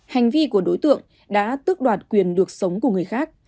hành vi của đối tượng đã tước đoạt quyền được sống của người khác